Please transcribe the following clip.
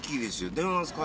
電話ですか？